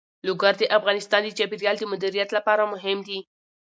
لوگر د افغانستان د چاپیریال د مدیریت لپاره مهم دي.